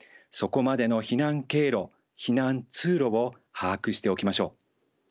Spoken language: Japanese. そこまでの避難経路避難通路を把握しておきましょう。